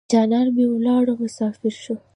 جانان مې ولاړو مسافر شو.